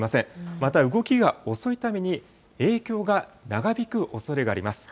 また動きが遅いために、影響が長引くおそれがあります。